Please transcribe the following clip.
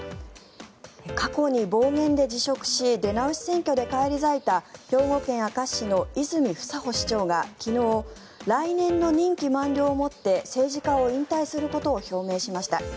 過去に暴言で辞職し出直し選挙で返り咲いた兵庫県明石市の泉房穂市長が昨日、来年の任期満了をもって政治家を引退することを表明しました。